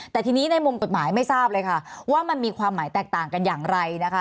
แต่ทีนี้ในมุมกฎหมายไม่ทราบเลยค่ะว่ามันมีความหมายแตกต่างกันอย่างไรนะคะ